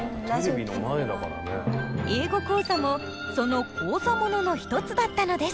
「英語講座」もその講座ものの一つだったのです。